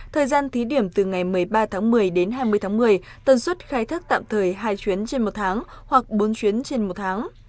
thời gian thí điểm từ ngày một mươi ba tháng một mươi đến hai mươi tháng một mươi tần suất khai thác tạm thời hai chuyến trên một tháng hoặc bốn chuyến trên một tháng